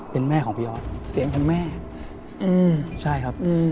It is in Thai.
เป็นแม่ของพี่ออสเสียงเป็นแม่อืมใช่ครับ